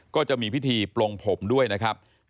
ก็จะมีพิธีปลงผมด้วยนะครับ